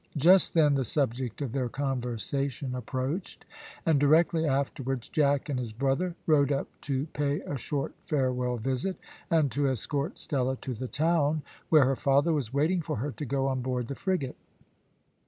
Just then the subject of their conversation approached, and directly afterwards Jack and his brother rode up to pay a short farewell visit, and to escort Stella to the town, where her father was waiting for her to go on board the frigate.